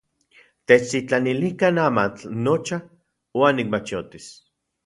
Techtitlanilikan amatl nocha uan nikmachotis.